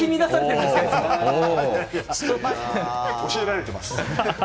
教えられてます。